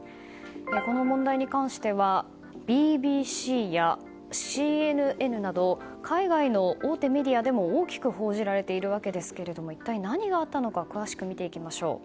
この問題に関してはＢＢＣや、ＣＮＮなど海外の大手メディアでも大きく報じられているんですが一体何があったのか詳しく見ていきましょう。